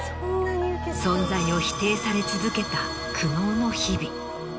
存在を否定され続けた苦悩の日々。